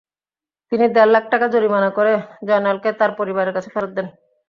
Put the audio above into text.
তিনি দেড় লাখ টাকা জরিমানা করে জয়নালকে তাঁর পরিবারের কাছে ফেরত দেন।